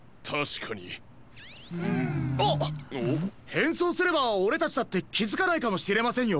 へんそうすればオレたちだってきづかないかもしれませんよ。